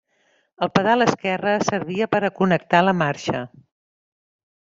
El pedal esquerre servia per a connectar la marxa.